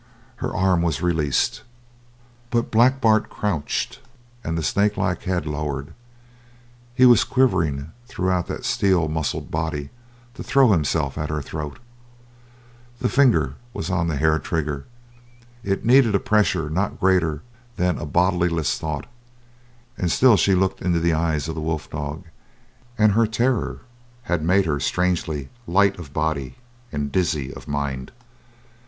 Her arm was released. But Black Bart crouched and the snakelike head lowered; he was quivering throughout that steel muscled body to throw himself at her throat. The finger was on the hair trigger; it needed a pressure not greater than a bodiless thought. And still she looked into the eyes of the wolf dog; and her terror had made her strangely light of body and dizzy of mind.